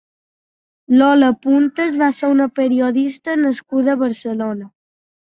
Lola Puntes va ser una periodista nascuda a Barcelona.